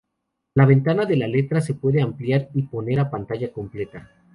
La ventana de la letra se puede ampliar y poner a pantalla completa.